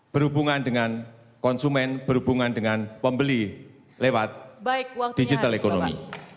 berhubungan dengan konsumen berhubungan dengan pembeli lewat digital economy